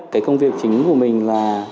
cái công việc chính của mình là